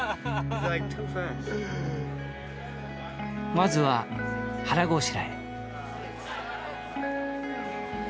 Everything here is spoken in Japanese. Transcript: まずは腹ごしらえ。